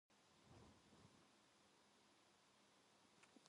하면서도 전염병이 아닌데도 같이 있기를 꺼리는 눈치까지 보였다.